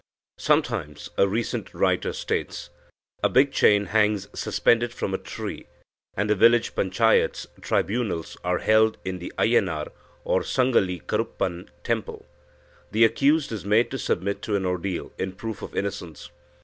"Sometimes," a recent writer states, "a big chain hangs suspended from a tree, and the village panchayats (tribunals) are held in the Aiyanar (or Sangali Karuppan) temple. The accused is made to submit to an ordeal in proof of innocence.